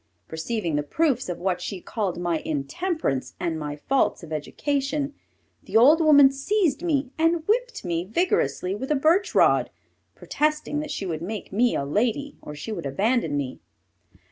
Perceiving the proofs of what she called my intemperance and my faults of education, the old woman seized me and whipped me vigorously with a birchrod, protesting that she would make me a lady or she would abandon me.